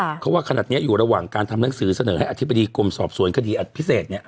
เพราะว่าขนาดนี้อยู่ระหว่างการทำหนังสือเสนอให้อธิบดีกรมสอบสวนคดีอัดพิเศษเนี่ย